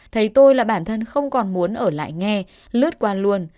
thấy tôi là bản thân không còn muốn ở lại nghe lướt qua luôn